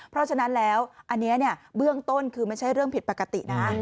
เพราะฉะนั้นแล้วอันนี้เบื้องต้นคือไม่ใช่เรื่องผิดปกตินะ